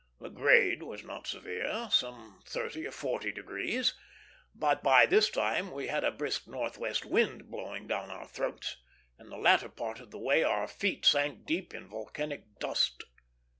The grade was not severe, some thirty or forty degrees; but by this time we had a brisk northwest wind blowing down our throats, and the latter part of the way our feet sank deep in volcanic dust.